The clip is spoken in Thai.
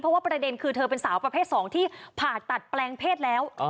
เพราะว่าประเด็นคือเธอเป็นสาวประเภท๒ที่ผ่าตัดแปลงเพศแล้ว